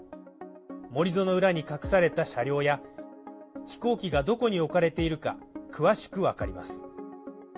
盛り土の裏に隠された車両や飛行機がどこに置かれているか詳しく分かります。